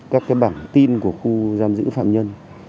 các bảng tin của khu giam giữ phạm nhân